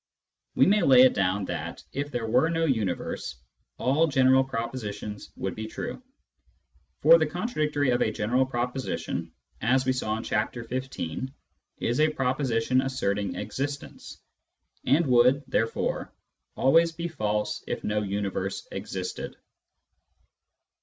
We may lay it down that, if there were no universe, all general propositions would be true ; for the contradictory of a general proposition (as we saw in Chapter XV.) is a proposition asserting existence, and would therefore always be false if no universe existed.'